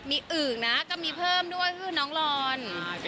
มีอึ่งนะก็มีเพิ่มด้วยคือน้องลอน